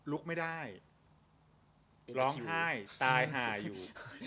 ลุกไม่ได้ร้องไห้ตายหาอยู่